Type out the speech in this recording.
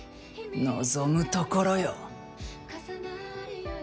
望むところよ！